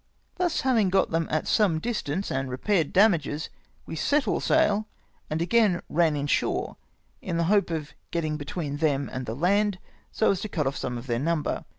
Havmg thus got them to some distance, and repaired damages, we set all sail, and again ran in shore, in the hope of getting between them and the land, so as to cut off some of their number.